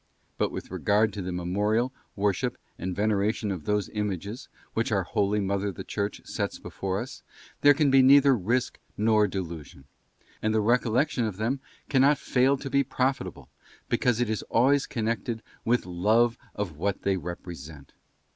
But with regard to the memorial, worship, and veneration of those Images, which our Holy Mother the Church sets before us, there can be neither risk nor delusion; and the recollection of them cannot fail to be profitable, because it is always connected with love of what they represent.